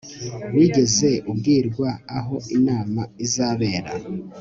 wigeze ubwirwa aho inama izabera